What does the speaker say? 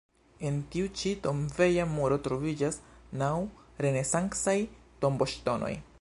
En tiu ĉi tombeja muro troviĝas naŭ renesancaj tomboŝtonoj.